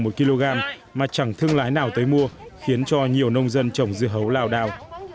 một kg mà chẳng thương lái nào tới mua khiến cho nhiều nông dân trồng dưa hấu lao đao